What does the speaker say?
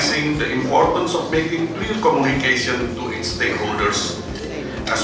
pentingnya untuk membuat komunikasi yang jelas